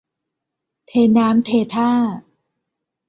เทน้ำเทท่า